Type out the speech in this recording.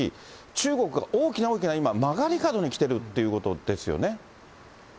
中国が大きな大きな今、曲がり角にきてるってことですよね。